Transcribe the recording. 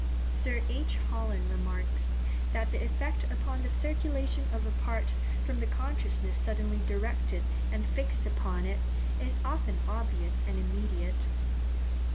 Sir H. Holland remarks, that "the effect upon the circulation of a part from the consciousness suddenly directed and fixed upon it, is often obvious and immediate."